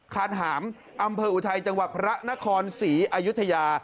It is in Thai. คานหามอำเภออุทัยจังหวัดพระนครศรีอายุทยา